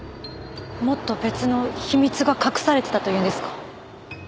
もっと別の秘密が隠されていたというんですか？